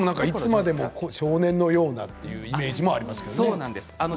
いつまでも少年のようなというイメージがありますね。